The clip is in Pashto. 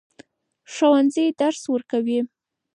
ښوونکي درس ورکوې.